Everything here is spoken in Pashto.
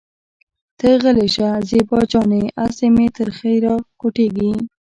ته غلې شه زېبا جانې اسې مې تريخی راخوټکېږي.